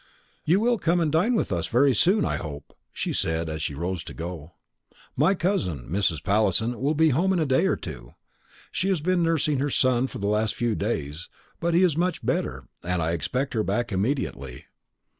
"You will come and dine with us very soon, I hope," she said as she rose to go, "My cousin, Mrs. Pallinson, will be home in a day or two. She has been nursing her son for the last few days; but he is much better, and I expect her back immediately.